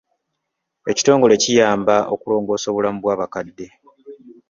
Ekitongole kiyamba okulongoosa obulamu bw'abakadde.